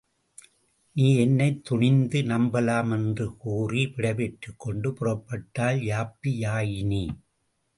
நீ என்னைத் துணிந்து நம்பலாம்? என்று கூறி விடைபெற்றுக்கொண்டு புறப்பட்டாள் யாப்பியாயினி.